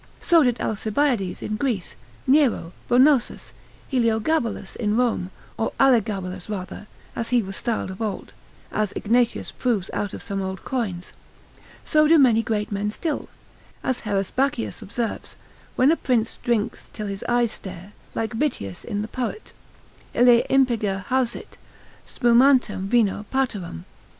So did Alcibiades in Greece; Nero, Bonosus, Heliogabalus in Rome, or Alegabalus rather, as he was styled of old (as Ignatius proves out of some old coins). So do many great men still, as Heresbachius observes. When a prince drinks till his eyes stare, like Bitias in the Poet, ———(ille impiger hausit Spumantem vino pateram.)